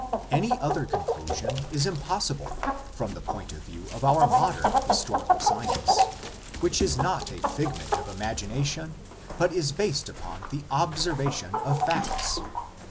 Any other conclusion is impos sible from the point of view of our modern historical science, which is not a figment of imagination but is based upon the observation of facts.